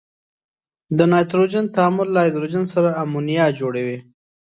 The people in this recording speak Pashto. د نایتروجن تعامل له هایدروجن سره امونیا جوړوي.